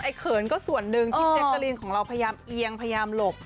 ไอเขินส่วนหนึ่งจักริงของเราพยายามเอียงพยายามหลบ